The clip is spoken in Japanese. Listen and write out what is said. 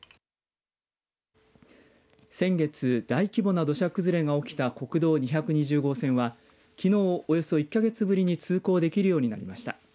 先月、大規模な土砂崩れが起きた国道２２０号線はきのう、およそ１か月ぶりに通行できるようになりました。